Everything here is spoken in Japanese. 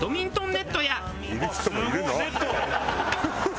ネット。